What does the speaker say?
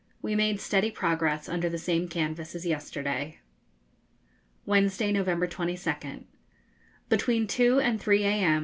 We made steady progress under the same canvas as yesterday. Wednesday, November 22nd. Between 2 and 3 a.m.